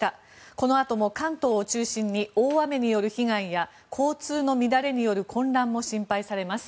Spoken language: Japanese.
このあとも関東を中心に大雨による被害や交通の乱れによる混乱も心配されます。